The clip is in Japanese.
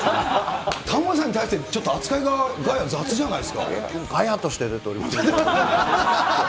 タモリさんに対してちょっと扱いが、ガヤとして出ておりますので。